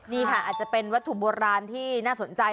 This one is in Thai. นี่ค่ะอาจจะเป็นวัตถุโบราณที่น่าสนใจ